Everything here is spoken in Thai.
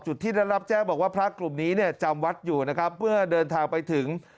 ที่ได้รับแจ้งบอกว่าพระกลุ่มนี้เนี่ยจำวัดอยู่นะครับเมื่อเดินทางไปถึง